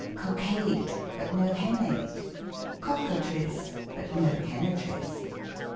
Cock ade, but no Hen ade. Cock atrice, but no Hen atrice.